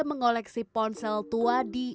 mengoleksi ponsel tua di